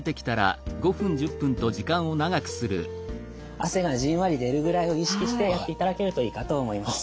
汗がじんわり出るぐらいを意識してやっていただけるといいかと思います。